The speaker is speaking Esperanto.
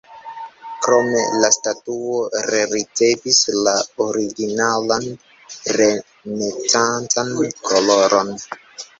Krome la statuo rericevis la originalan renesancan koloron.